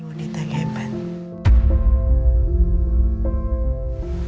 ini wanita yang hebat